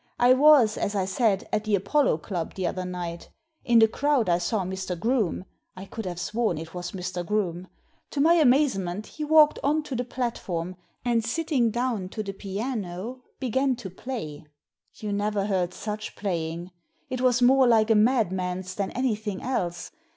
I was, as I said, at the Apollo Club the other night In the crowd I saw Mr. Groome — I could have sworn it was Mr. Groome. To my amazement he walked on to the platform, and, sitting down to the piano, began to play. You never heard such playing. It was more like a madman's than anything else.